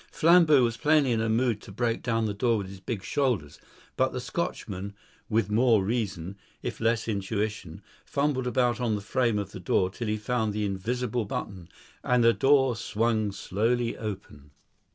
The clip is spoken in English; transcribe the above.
Flambeau was plainly in a mood to break down the door with his big shoulders; but the Scotchman, with more reason, if less intuition, fumbled about on the frame of the door till he found the invisible button; and the door swung slowly open.